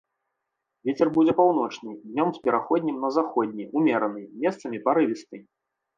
Вецер будзе паўночны, днём з пераходам на заходні, умераны, месцамі парывісты.